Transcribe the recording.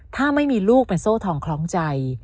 ถ้าไม่มีลูกเป็นโซ่ทองคล้องใจ